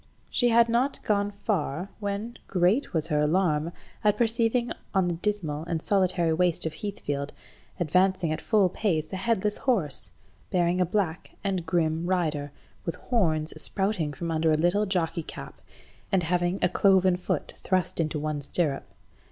She had not gone far, when great was her alarm at perceiving on the dismal and solitary waste of Heathfield, advancing at full pace, a headless horse, bearing a black and grim rider, with horns sprouting from under a little jockey–cap, and having a cloven foot thrust into one stirrup.